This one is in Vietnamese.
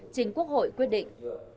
chính quốc hội quyết định